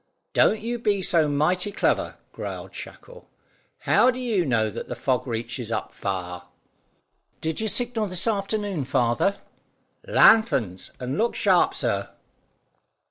"Don't you be so mighty clever," growled Shackle. "How do you know that the fog reaches up far?" "Did you signal s'afternoon, father?" "Lanthorns! And look sharp, sir."